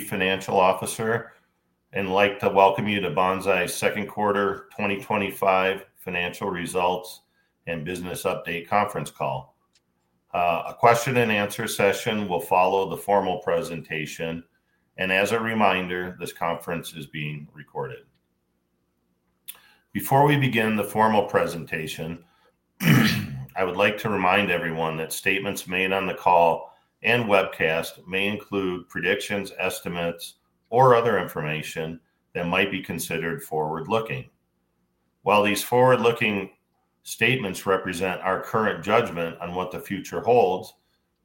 Financial Officer, I'd like to welcome you to Banzai International's Second Quarter 2025 Financial Results and Business Update Conference Call. A question-and-answer session will follow the formal presentation, and as a reminder, this conference is being recorded. Before we begin the formal presentation, I would like to remind everyone that statements made on the call and webcast may include predictions, estimates, or other information that might be considered forward-looking. While these forward-looking statements represent our current judgment on what the future holds,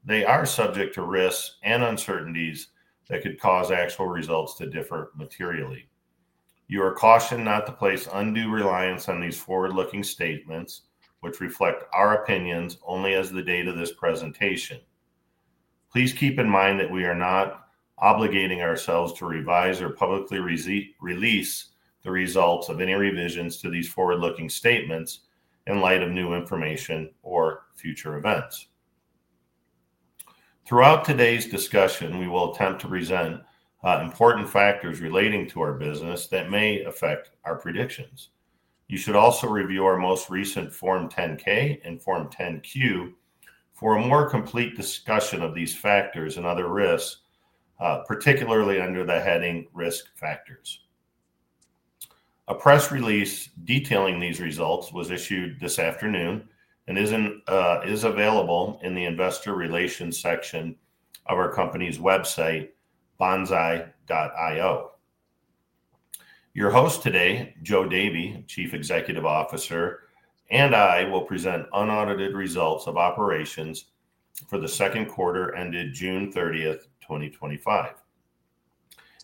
they are subject to risks and uncertainties that could cause actual results to differ materially. You are cautioned not to place undue reliance on these forward-looking statements, which reflect our opinions only as of the date of this presentation. Please keep in mind that we are not obligating ourselves to revise or publicly release the results of any revisions to these forward-looking statements in light of new information or future events. Throughout today's discussion, we will attempt to present important factors relating to our business that may affect our predictions. You should also review our most recent Form 10-K and Form 10-Q for a more complete discussion of these factors and other risks, particularly under the heading "Risk Factors". A press release detailing these results was issued this afternoon and is available in the investor relations section of our company's website, banzai.io. Your host today, Joe Davy, Chief Executive Officer, and I will present unaudited results of operations for the second quarter ended June 30th, 2025.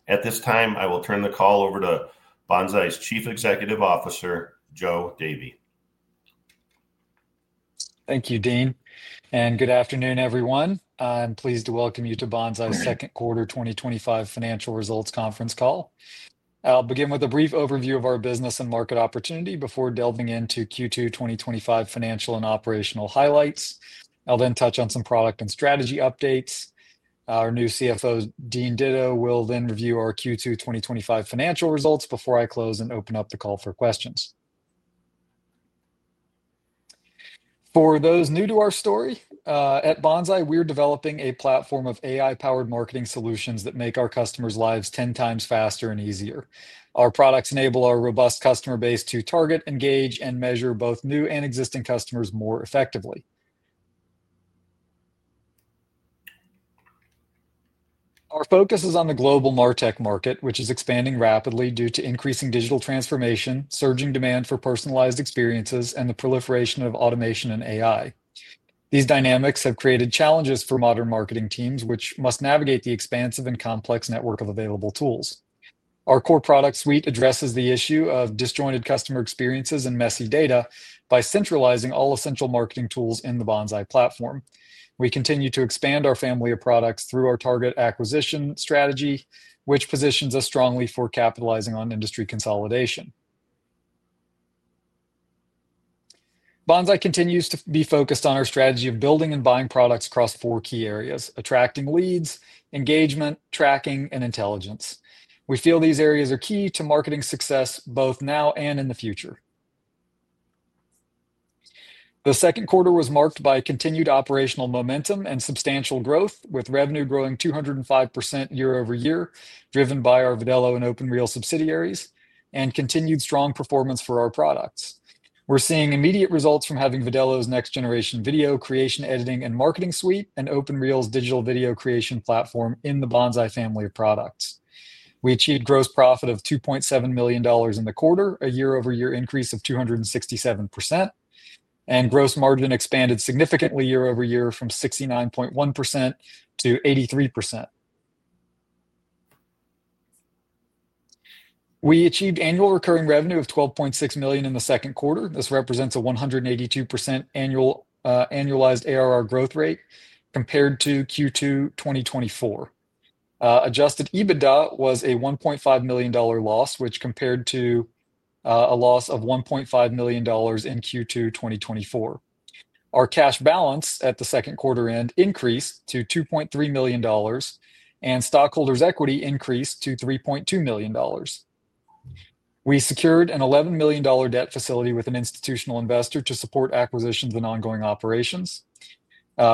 At this time, I will turn the call over to Banzai's Chief Executive Officer, Joe Davy. Thank you, Dean, and good afternoon, everyone. I'm pleased to welcome you to Banzai Second Quarter 2025 Financial Results Conference Call. I'll begin with a brief overview of our business and market opportunity before delving into Q2 2025 financial and operational highlights. I'll then touch on some product and strategy updates. Our new CFO, Dean Ditto, will then review our Q2 2025 financial results before I close and open up the call for questions. For those new to our story, at Banzai, we're developing a platform of AI-powered marketing solutions that make our customers' lives 10 times faster and easier. Our products enable our robust customer base to target, engage, and measure both new and existing customers more effectively. Our focus is on the global MarTech market, which is expanding rapidly due to increasing digital transformation, surging demand for personalized experiences, and the proliferation of automation and AI. These dynamics have created challenges for modern marketing teams, which must navigate the expansive and complex network of available tools. Our core product suite addresses the issue of disjointed customer experiences and messy data by centralizing all essential marketing tools in the Banzai platform. We continue to expand our family of products through our target acquisition strategy, which positions us strongly for capitalizing on industry consolidation. Banzai continues to be focused on our strategy of building and buying products across four key areas: attracting leads, engagement, tracking, and intelligence. We feel these areas are key to marketing success both now and in the future. The second quarter was marked by continued operational momentum and substantial growth, with revenue growing 205% year-over-year, driven by our Vidello and OpenReel subsidiaries, and continued strong performance for our products. We're seeing immediate results from having Vidello's next-generation video creation, editing, and marketing suite, and OpenReel's digital video creation platform in the Banzai International family of products. We achieved gross profit of $2.7 million in the quarter, a year-over-year increase of 267%, and gross margin expanded significantly year over year from 69.1% to 83%. We achieved annual recurring revenue of $12.6 million in the second quarter. This represents a 182% annualized ARR growth rate compared to Q2 2024. Adjusted EBITDA was a $1.5 million loss, which compared to a loss of $1.5 million in Q2 2024. Our cash balance at the second quarter end increased to $2.3 million, and stockholders' equity increased to $3.2 million. We secured an $11 million debt facility with an institutional investor to support acquisitions and ongoing operations.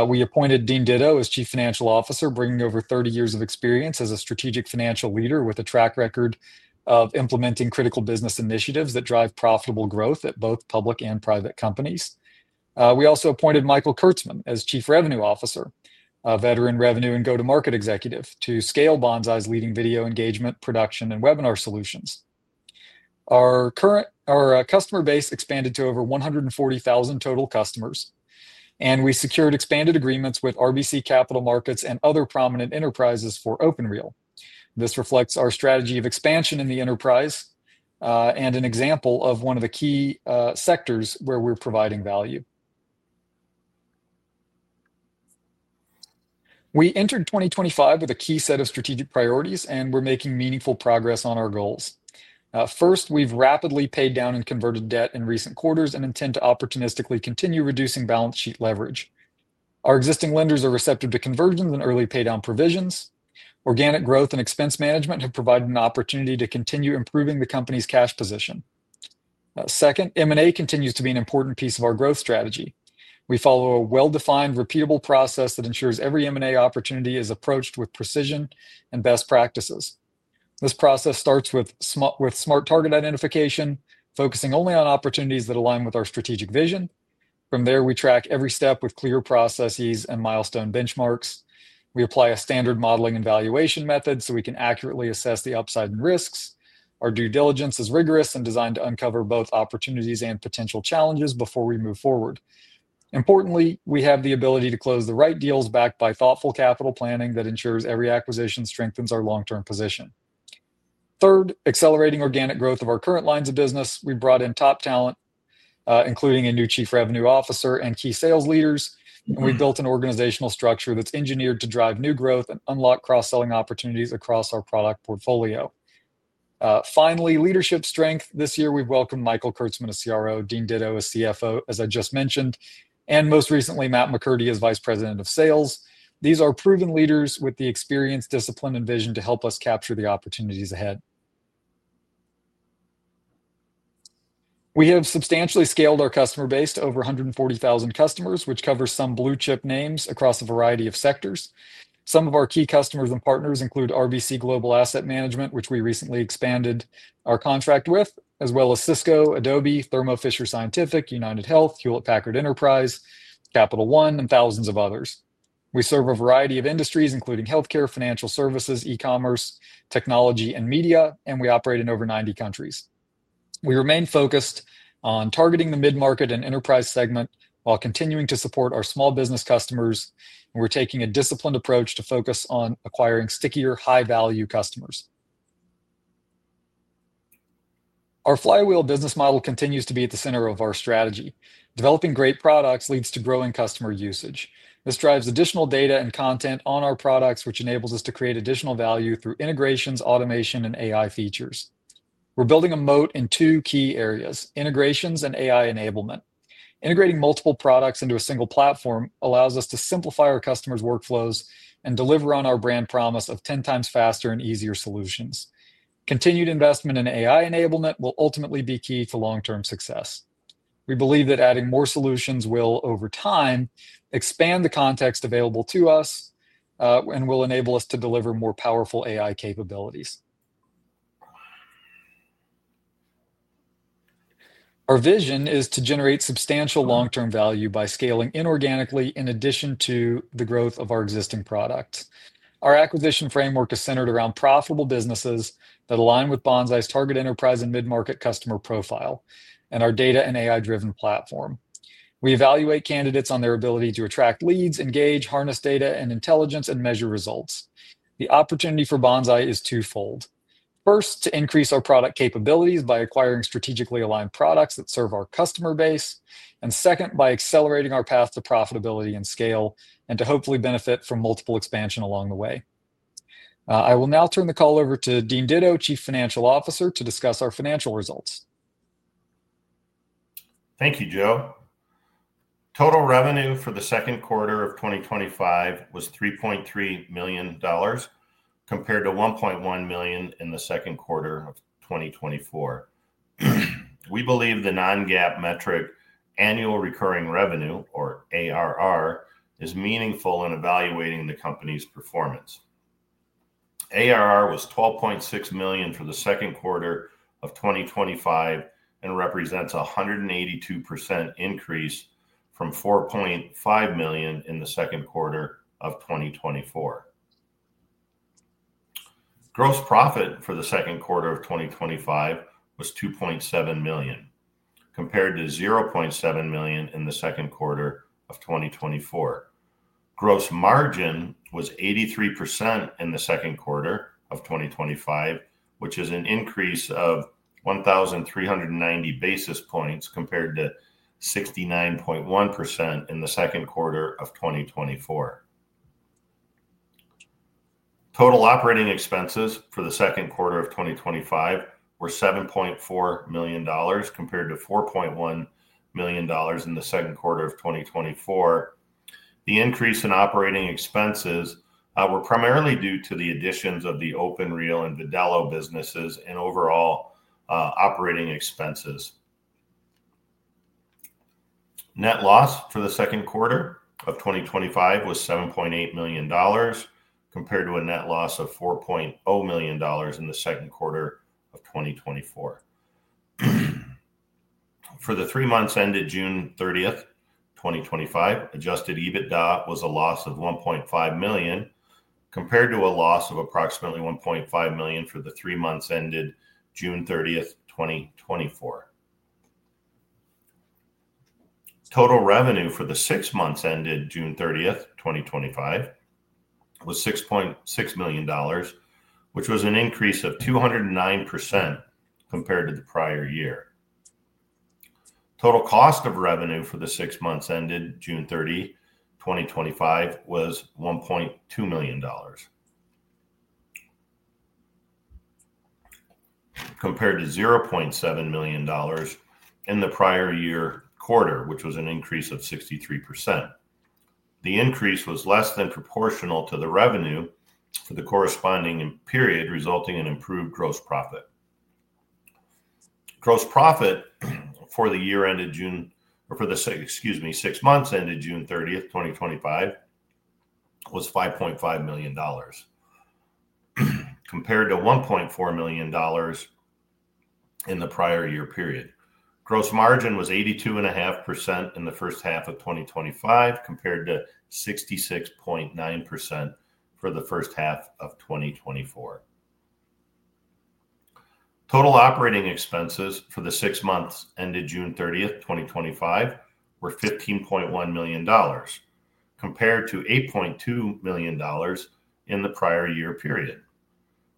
We appointed Dean Ditto as Chief Financial Officer, bringing over 30 years of experience as a strategic financial leader with a track record of implementing critical business initiatives that drive profitable growth at both public and private companies. We also appointed Michael Kurtzman as Chief Revenue Officer, a veteran revenue and go-to-market executive, to scale Banzai's leading video engagement, production, and webinar solutions. Our customer base expanded to over 140,000 total customers, and we secured expanded agreements with RBC capital markets and other prominent enterprises for OpenReel. This reflects our strategy of expansion in the enterprise and an example of one of the key sectors where we're providing value. We entered 2025 with a key set of strategic priorities, and we're making meaningful progress on our goals. First, we've rapidly paid down and converted debt in recent quarters and intend to opportunistically continue reducing balance sheet leverage. Our existing lenders are receptive to conversions and early paydown provisions. Organic growth and expense management have provided an opportunity to continue improving the company's cash position. Second, M&A continues to be an important piece of our growth strategy. We follow a well-defined, repeatable process that ensures every M&A opportunity is approached with precision and best practices. This process starts with smart target identification, focusing only on opportunities that align with our strategic vision. From there, we track every step with clear processes and milestone benchmarks. We apply a standard modeling and valuation method so we can accurately assess the upside and risks. Our due diligence is rigorous and designed to uncover both opportunities and potential challenges before we move forward. Importantly, we have the ability to close the right deals backed by thoughtful capital planning that ensures every acquisition strengthens our long-term position. Third, accelerating organic growth of our current lines of business, we've brought in top talent, including a new Chief Revenue Officer and key sales leaders, and we've built an organizational structure that's engineered to drive new growth and unlock cross-selling opportunities across our product portfolio. Finally, leadership strength. This year, we've welcomed Michael Kurtzman as CRO, Dean Ditto as CFO, as I just mentioned, and most recently, Matt McCurdy as Vice President of Sales. These are proven leaders with the experience, discipline, and vision to help us capture the opportunities ahead. We have substantially scaled our customer base to over 140,000 customers, which covers some blue-chip names across a variety of sectors. Some of our key customers and partners include RBC Global Asset Management, which we recently expanded our contract with, as well as Cisco, Adobe, Thermo Fisher Scientific, UnitedHealth, Hewlett Packard Enterprise, Capital One, and thousands of others. We serve a variety of industries, including healthcare, financial services, e-commerce, technology, and media, and we operate in over 90 countries. We remain focused on targeting the mid-market and enterprise segment while continuing to support our small business customers, and we're taking a disciplined approach to focus on acquiring stickier, high-value customers. Our flywheel business model continues to be at the center of our strategy. Developing great products leads to growing customer usage. This drives additional data and content on our products, which enables us to create additional value through integrations, automation, and AI features. We're building a moat in two key areas: integrations and AI enablement. Integrating multiple products into a single platform allows us to simplify our customers' workflows and deliver on our brand promise of 10 times faster and easier solutions. Continued investment in AI enablement will ultimately be key to long-term success. We believe that adding more solutions will, over time, expand the context available to us and will enable us to deliver more powerful AI capabilities. Our vision is to generate substantial long-term value by scaling inorganically in addition to the growth of our existing products. Our acquisition framework is centered around profitable businesses that align with Banzai's target enterprise and mid-market customer profile and our data and AI-driven platform. We evaluate candidates on their ability to attract leads, engage, harness data and intelligence, and measure results. The opportunity for Banzai is twofold. First, to increase our product capabilities by acquiring strategically aligned products that serve our customer base, and second, by accelerating our path to profitability and scale to hopefully benefit from multiple expansion along the way. I will now turn the call over to Dean Ditto, Chief Financial Officer, to discuss our financial results. Thank you, Joe. Total revenue for the second quarter of 2025 was $3.3 million, compared to $1.1 million in the second quarter of 2024. We believe the non-GAAP metric, annual recurring revenue, or ARR, is meaningful in evaluating the company's performance. ARR was $12.6 million for the second quarter of 2025 and represents a 182% increase from $4.5 million in the second quarter of 2024. Gross profit for the second quarter of 2025 was $2.7 million, compared to $0.7 million in the second quarter of 2024. Gross margin was 83% in the second quarter of 2025, which is an increase of 1,390 basis points compared to 69.1% in the second quarter of 2024. Total operating expenses for the second quarter of 2025 were $7.4 million, compared to $4.1 million in the second quarter of 2024. The increase in operating expenses was primarily due to the additions of the OpenReel and Vidello businesses and overall operating expenses. Net loss for the second quarter of 2025 was $7.8 million, compared to a net loss of $4.0 million in the second quarter of 2024. For the three months ended June 30th, 2025, adjusted EBITDA was a loss of $1.5 million, compared to a loss of approximately $1.5 million for the three months ended June 30th, 2024. Total revenue for the six months ended June 30th, 2025, was $6.6 million, which was an increase of 209% compared to the prior year. Total cost of revenue for the six months ended June 30, 2025, was $1.2 million, compared to $0.7 million in the prior year quarter, which was an increase of 63%. The increase was less than proportional to the revenue for the corresponding period, resulting in improved gross profit. Gross profit for the six months ended June 30th, 2025, was $5.5 million, compared to $1.4 million in the prior year period. Gross margin was 82.5% in the first half of 2025, compared to 66.9% for the first half of 2024. Total operating expenses for the six months ended June 30th, 2025, were $15.1 million, compared to $8.2 million in the prior year period.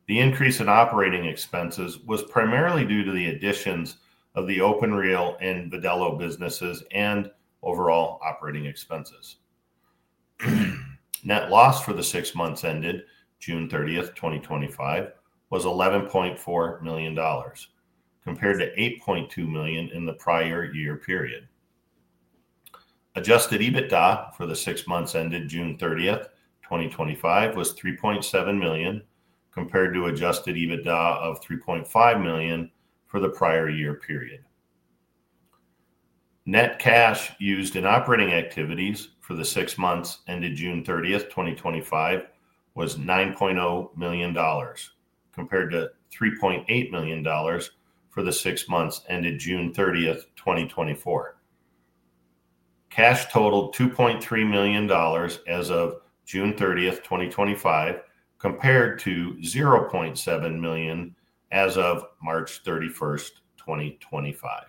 The increase in operating expenses was primarily due to the additions of the OpenReel and Vidello businesses and overall operating expenses. Net loss for the six months ended June 30th, 2025, was $11.4 million, compared to $8.2 million in the prior year period. Adjusted EBITDA for the six months ended June 30, 2025, was $3.7 million, compared to an adjusted EBITDA of $3.5 million for the prior year period. Net cash used in operating activities for the six months ended June 30th, 2025, was $9.0 million, compared to $3.8 million for the six months ended June 30th, 2024. Cash totaled $2.3 million as of June 30th, 2025, compared to $0.7 million as of March 31st, 2025.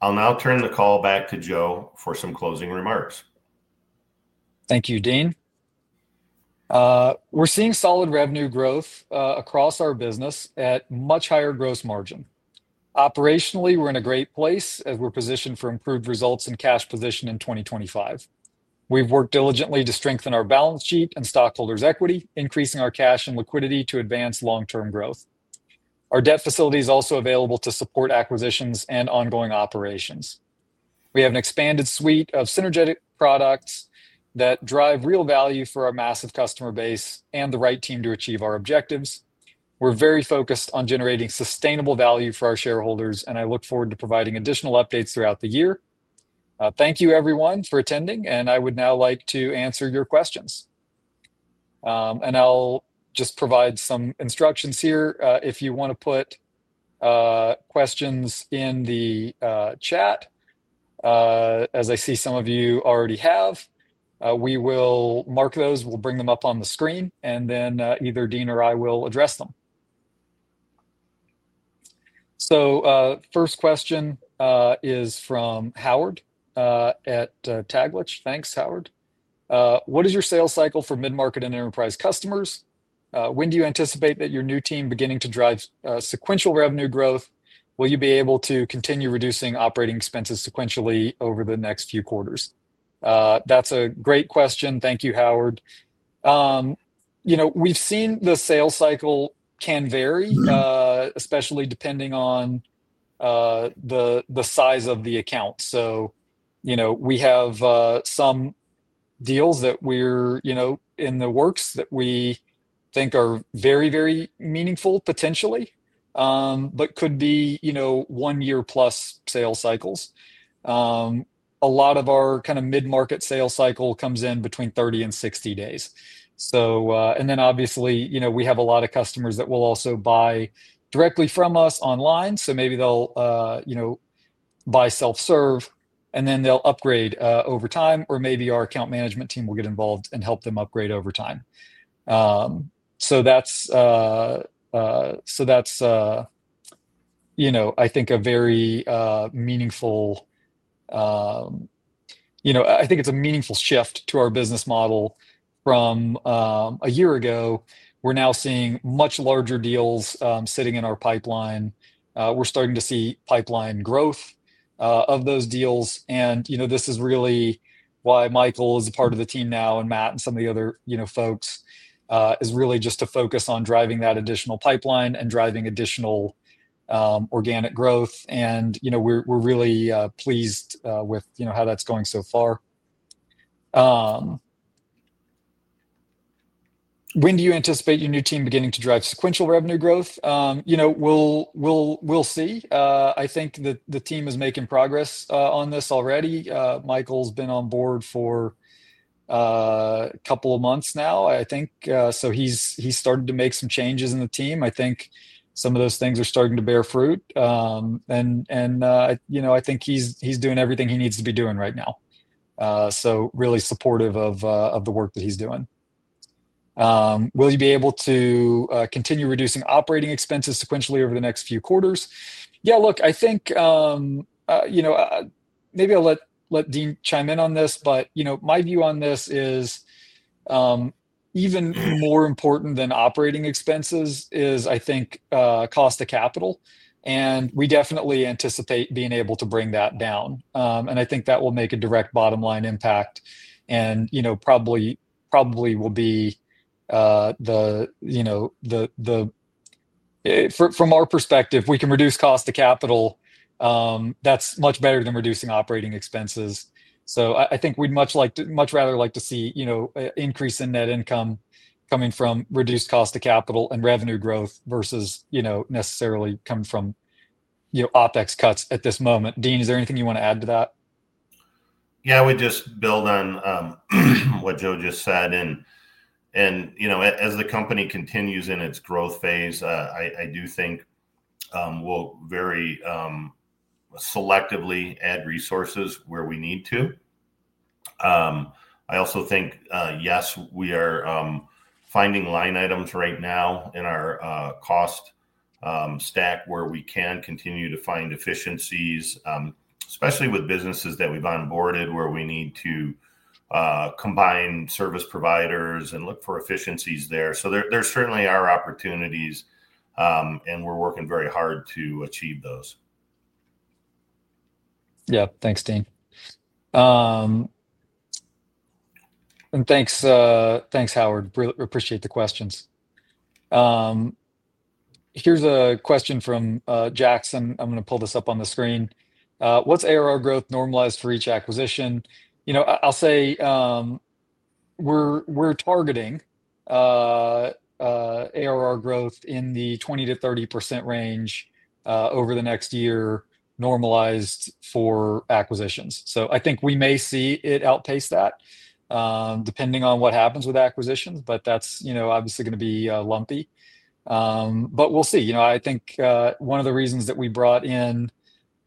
I'll now turn the call back to Joe for some closing remarks. Thank you, Dean. We're seeing solid revenue growth across our business at much higher gross margin. Operationally, we're in a great place as we're positioned for improved results and cash position in 2025. We've worked diligently to strengthen our balance sheet and stockholders' equity, increasing our cash and liquidity to advance long-term growth. Our debt facility is also available to support acquisitions and ongoing operations. We have an expanded suite of synergetic products that drive real value for our massive customer base and the right team to achieve our objectives. We're very focused on generating sustainable value for our shareholders, and I look forward to providing additional updates throughout the year. Thank you, everyone, for attending, and I would now like to answer your questions. I'll just provide some instructions here if you want to put questions in the chat, as I see some of you already have. We will mark those, we'll bring them up on the screen, and then either Dean or I will address them. First question is from Howard at Taglich. Thanks, Howard. What is your sales cycle for mid-market and enterprise customers? When do you anticipate that your new team beginning to drive sequential revenue growth, will you be able to continue reducing operating expenses sequentially over the next few quarters? That's a great question. Thank you, Howard. We've seen the sales cycle can vary, especially depending on the size of the account. We have some deals that we're in the works that we think are very, very meaningful potentially, but could be one year plus sales cycles. A lot of our kind of mid-market sales cycle comes in between 30 days and 60 days. Obviously, we have a lot of customers that will also buy directly from us online. Maybe they'll buy self-serve and then they'll upgrade over time, or maybe our account management team will get involved and help them upgrade over time. That's, I think, a very meaningful shift to our business model from a year ago. We're now seeing much larger deals sitting in our pipeline. We're starting to see pipeline growth of those deals. This is really why Michael is a part of the team now and Matt and some of the other folks is really just to focus on driving that additional pipeline and driving additional organic growth. We're really pleased with how that's going so far. When do you anticipate your new team beginning to drive sequential revenue growth? We'll see. I think that the team is making progress on this already. Michael's been on board for a couple of months now, I think. He's started to make some changes in the team. I think some of those things are starting to bear fruit. I think he's doing everything he needs to be doing right now. Really supportive of the work that he's doing. Will you be able to continue reducing operating expenses sequentially over the next few quarters? Yeah, look, maybe I'll let Dean chime in on this, but my view on this is even more important than operating expenses is cost of capital. We definitely anticipate being able to bring that down, and I think that will make a direct bottom line impact. It probably will be, from our perspective, if we can reduce cost of capital, that's much better than reducing operating expenses. We'd much rather like to see an increase in net income coming from reduced cost of capital and revenue growth versus necessarily coming from OpEx cuts at this moment. Dean, is there anything you want to add to that? I would just build on what Joe just said. As the company continues in its growth phase, I do think we'll very selectively add resources where we need to. I also think, yes, we are finding line items right now in our cost stack where we can continue to find efficiencies, especially with businesses that we've onboarded where we need to combine service providers and look for efficiencies there. There certainly are opportunities, and we're working very hard to achieve those. Yeah, thanks, Dean. Thanks, Howard. Really appreciate the questions. Here's a question from Jackson. I'm going to pull this up on the screen. What's ARR growth normalized for each acquisition? I'll say we're targeting ARR growth in the 20%-30% range over the next year, normalized for acquisitions. I think we may see it outpace that depending on what happens with acquisition, but that's obviously going to be lumpy. We'll see. I think one of the reasons that we brought in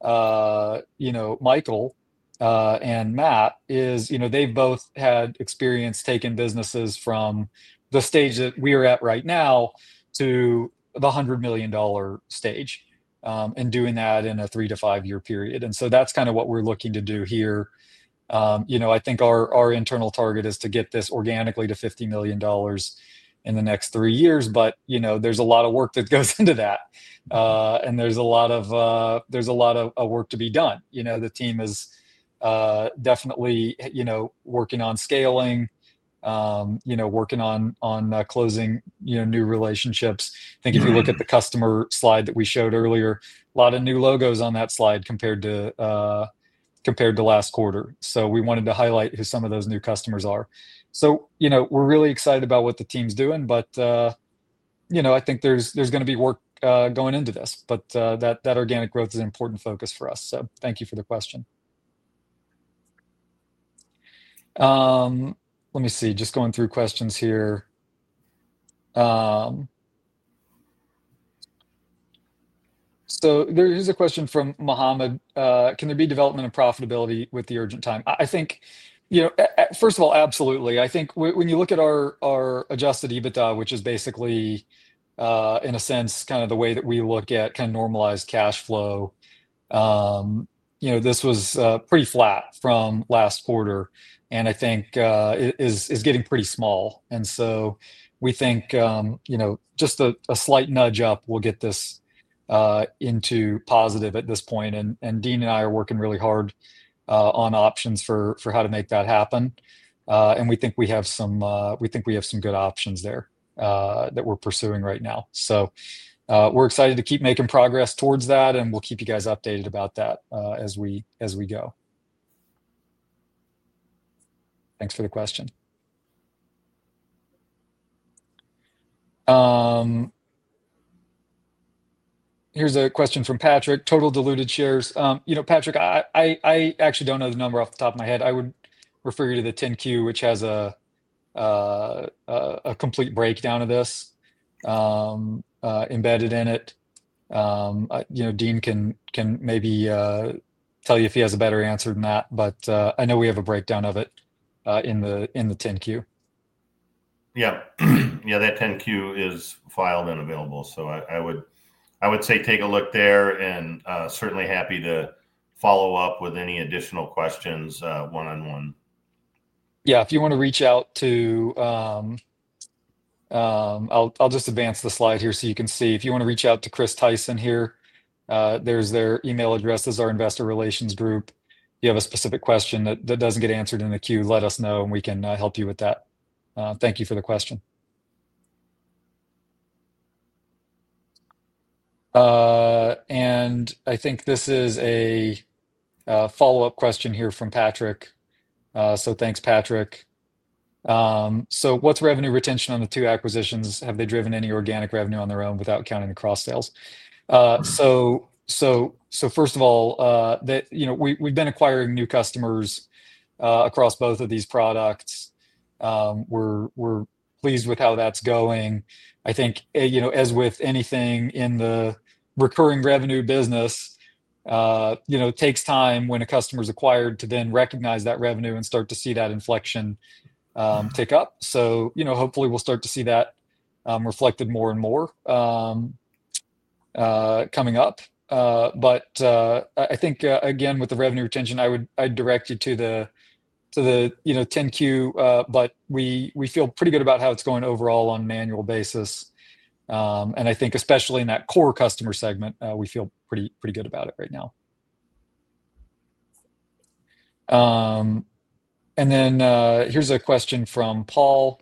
Michael and Matt is they've both had experience taking businesses from the stage that we are at right now to the $100 million stage and doing that in a three to five-year period. That's kind of what we're looking to do here. I think our internal target is to get this organically to $50 million in the next three years, but there's a lot of work that goes into that. There's a lot of work to be done. The team is definitely working on scaling, working on closing new relationships. I think if you look at the customer slide that we showed earlier, a lot of new logos on that slide compared to last quarter. We wanted to highlight who some of those new customers are. We're really excited about what the team's doing. I think there's going to be work going into this. That organic growth is an important focus for us. Thank you for the question. Let me see, just going through questions here. Here's a question from Mohammed. Can there be development of profitability with the urgent time? I think, first of all, absolutely. I think when you look at our adjusted EBITDA, which is basically, in a sense, kind of the way that we look at kind of normalized cash flow, this was pretty flat from last quarter. I think it is getting pretty small. We think just a slight nudge up will get this into positive at this point. Dean and I are working really hard on options for how to make that happen. We think we have some good options there that we're pursuing right now. We're excited to keep making progress towards that. We'll keep you guys updated about that as we go. Thanks for the question. Here's a question from Patrick. Total diluted shares. Patrick, I actually don't know the number off the top of my head. I would refer you to the 10-Q, which has a complete breakdown of this embedded in it. Dean can maybe tell you if he has a better answer than that, but I know we have a breakdown of it in the 10-Q. Yeah, that 10-Q is filed and available. I would say take a look there and certainly happy to follow up with any additional questions one-on-one. Yeah, if you want to reach out to, I'll just advance the slide here so you can see. If you want to reach out to Chris Tyson here, there's their email address as our investor relations group. If you have a specific question that doesn't get answered in the 10-Q, let us know and we can help you with that. Thank you for the question. I think this is a follow-up question here from Patrick. Thanks, Patrick. What's revenue retention on the two acquisitions? Have they driven any organic revenue on their own without counting the cross sales? First of all, we've been acquiring new customers across both of these products. We're pleased with how that's going. I think, as with anything in the recurring revenue business, it takes time when a customer's acquired to then recognize that revenue and start to see that inflection tick up. Hopefully we'll start to see that reflected more and more coming up. I think, again, with the revenue retention, I'd direct you to the 10-Q, but we feel pretty good about how it's going overall on an annual basis. I think, especially in that core customer segment, we feel pretty good about it right now. Here's a question from Paul.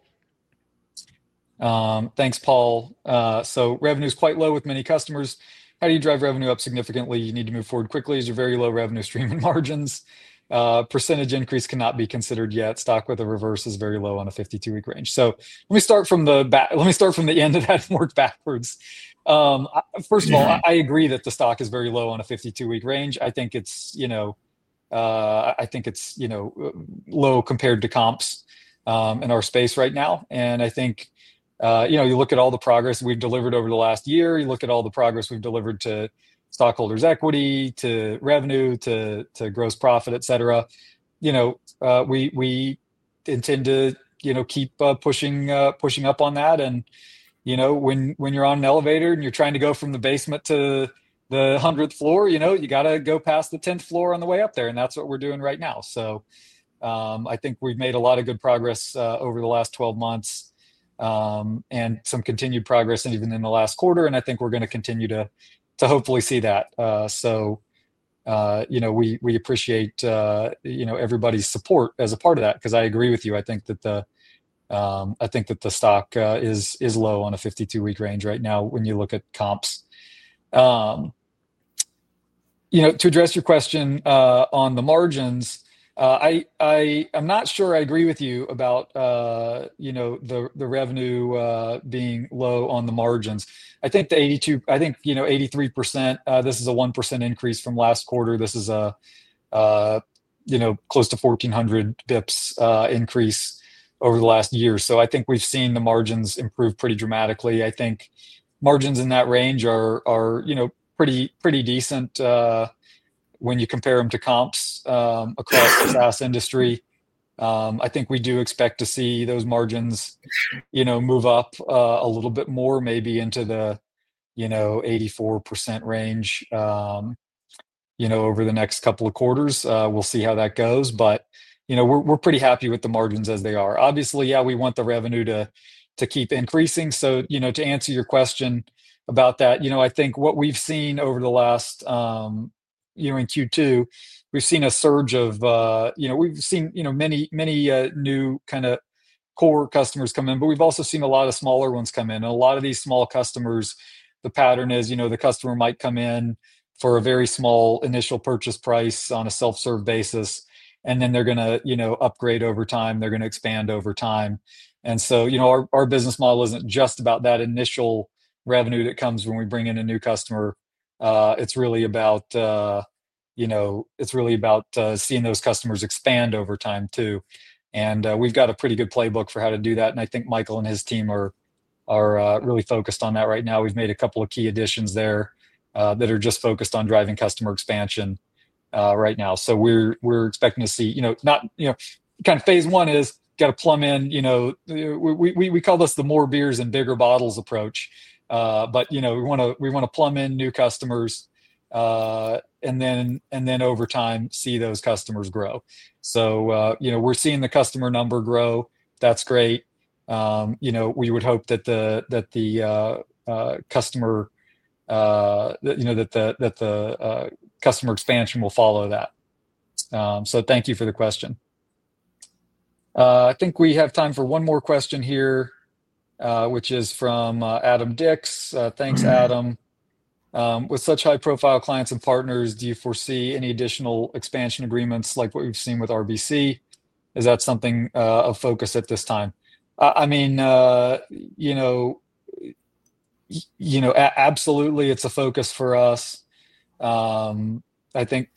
Thanks, Paul. Revenue is quite low with many customers. How do you drive revenue up significantly? You need to move forward quickly as you're very low revenue stream and margins. Percentage increase cannot be considered yet. Stock with a reverse is very low on a 52-week range. Let me start from the end of that and work backwards. First of all, I agree that the stock is very low on a 52-week range. I think it's low compared to comps in our space right now. I think you look at all the progress we've delivered over the last year. You look at all the progress we've delivered to stockholders' equity, to revenue, to gross profit, et cetera. We intend to keep pushing up on that. When you're on an elevator and you're trying to go from the basement to the 100th floor, you got to go past the 10th floor on the way up there. That's what we're doing right now. I think we've made a lot of good progress over the last 12 months and some continued progress even in the last quarter. I think we're going to continue to hopefully see that. We appreciate everybody's support as a part of that because I agree with you. I think that the stock is low on a 52-week range right now when you look at comps. To address your question on the margins, I'm not sure I agree with you about the revenue being low on the margins. I think the 82%, I think, you know, 83%, this is a 1% increase from last quarter. This is a close to 1,400 bps increase over the last year. I think we've seen the margins improve pretty dramatically. I think margins in that range are pretty decent when you compare them to comps across the SaaS industry. We do expect to see those margins move up a little bit more, maybe into the 84% range over the next couple of quarters. We'll see how that goes. We're pretty happy with the margins as they are. Obviously, yeah, we want the revenue to keep increasing. To answer your question about that, I think what we've seen over the last, in Q2, we've seen a surge of, we've seen many, many new kind of core customers come in, but we've also seen a lot of smaller ones come in. A lot of these small customers, the pattern is, the customer might come in for a very small initial purchase price on a self-serve basis, and then they're going to upgrade over time. They're going to expand over time. Our business model isn't just about that initial revenue that comes when we bring in a new customer. It's really about seeing those customers expand over time too. We've got a pretty good playbook for how to do that. I think Michael and his team are really focused on that right now. We've made a couple of key additions there that are just focused on driving customer expansion right now. We're expecting to see, not, kind of phase one is got to plumb in, we call this the more beers and bigger bottles approach. We want to plumb in new customers and then over time see those customers grow. We're seeing the customer number grow. That's great. We would hope that the customer expansion will follow that. Thank you for the question. I think we have time for one more question here, which is from Adam [Dix]. Thanks, Adam. With such high-profile clients and partners, do you foresee any additional expansion agreements like what we've seen with RBC? Is that something of focus at this time? Absolutely, it's a focus for us. I think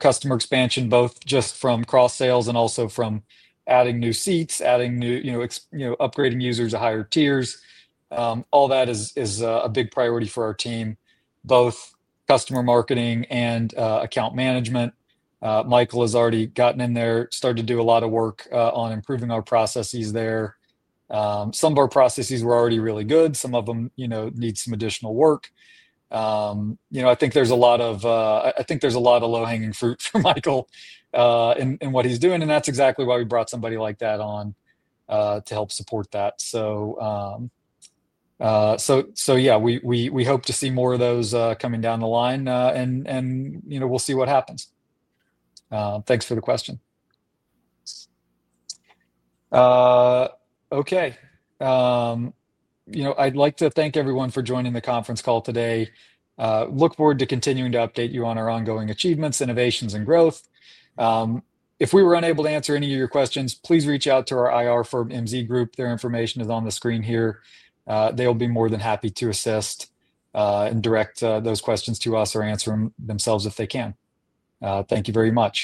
customer expansion, both just from cross-selling and also from adding new seats, adding new, upgrading users to higher tiers, all that is a big priority for our team, both Customer Marketing and Account Management. Michael has already gotten in there, started to do a lot of work on improving our processes there. Some of our processes were already really good. Some of them need some additional work. I think there's a lot of low-hanging fruit for Michael in what he's doing. That's exactly why we brought somebody like that on to help support that. Yeah, we hope to see more of those coming down the line. We'll see what happens. Thanks for the question. I'd like to thank everyone for joining the conference call today. Look forward to continuing to update you on our ongoing achievements, innovations, and growth. If we were unable to answer any of your questions, please reach out to our IR firm, MZ Group. Their information is on the screen here. They'll be more than happy to assist and direct those questions to us or answer them themselves if they can. Thank you very much.